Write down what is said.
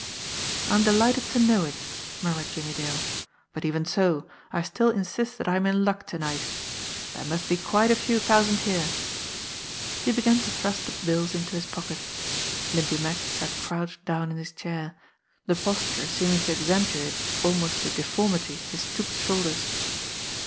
"I'm delighted to know it," murmured Jimmie Dale. "But even so, I still insist that I am in luck to night. There must 68 JIMMIE DALE AND THE PHANTOM CLUE be quite a few thousand here." He began to thrust the bills into his pockets. Limpy Mack sat crouched down in his chair, the posture seeming to accentuate almost to deformity his stooped shoulders.